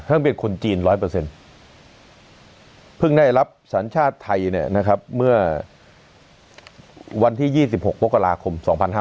ห้องเบียดคนจีน๑๐๐เพิ่งได้รับสัญชาติไทยเนี่ยนะครับเมื่อวันที่๒๖โปรกราคม๒๕๕๘